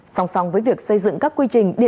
song song với việc xây dựng các quy trình